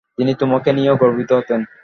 তিনি তোমাকে নিয়েও গর্বিত হতেন।